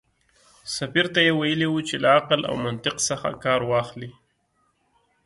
سفیر ته یې ویلي و چې له عقل او منطق څخه کار واخلي.